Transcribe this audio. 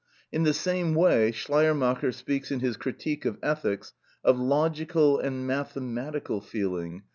In the same way Schleiermacher speaks in his "Critique of Ethics" of logical and mathematical feeling (p.